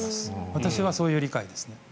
私はそういう理解です。